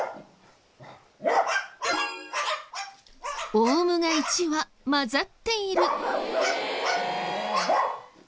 オウムが１羽交ざっている。